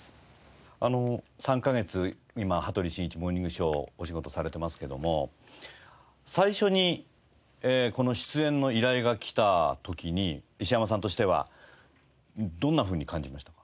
３カ月今『羽鳥慎一モーニングショー』お仕事されてますけども最初にこの出演の依頼がきた時に石山さんとしてはどんなふうに感じましたか？